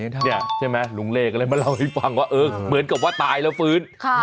ใช่ไหมลุงเลขอะไรมาเล่าให้ฟังว่าเหมือนกับว่าตายแล้วฟื้น